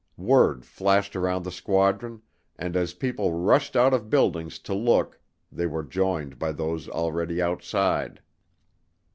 Word flashed around the squadron and as people rushed out of buildings to look they were joined by those already outside.